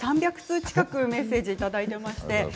放送前に３００通近くメッセージをいただいています。